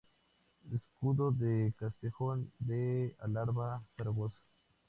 Escudo de Castejón de Alarba-Zaragoza.